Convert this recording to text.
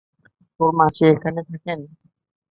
তোর মাসি এখানে থাকেন?